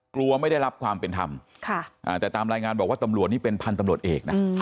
กลัวไม่ได้รับความเป็นธรรมแต่ตามรายงานบอกว่าตำรวจนี่เป็นพันธุ์ตำรวจเอกนะ